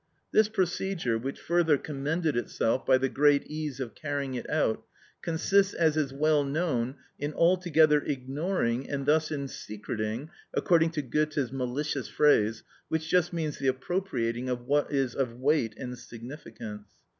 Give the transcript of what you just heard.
This procedure, which further commended itself by the great ease of carrying it out, consists, as is well known, in altogether ignoring and thus in secreting—according to Goethe's malicious phrase, which just means the appropriating of what is of weight and significance.